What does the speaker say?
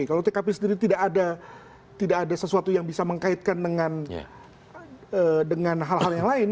kalau tkp sendiri tidak ada sesuatu yang bisa mengkaitkan dengan hal hal yang lain